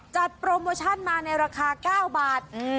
จัดโปรโมชั่นมาในราคา๙บาท